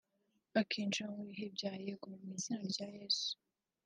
akinjira mu bihe bya yego mu izina rya yesu